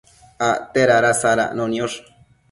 acte dada sadacno niosh